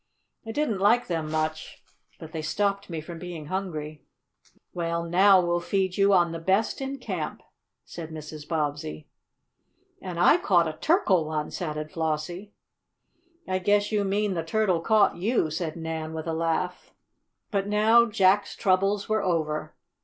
I didn't like them much, but they stopped me from being hungry." "Well, now we'll feed you on the best in camp," said Mrs. Bobbsey. "And I caught a turkle, once!" added Flossie. "I guess you mean the turtle caught you," said Nan with a laugh. But now Jack's troubles were over.